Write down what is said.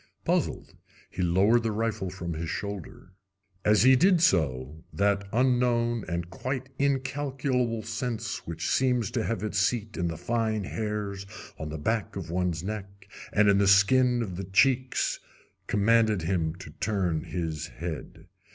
Puzzled, he lowered the rifle from his shoulder. As he did so that unknown and quite incalculable sense which seems to have its seat in the fine hairs on the back of one's neck and in the skin of the cheeks commanded him to turn his head.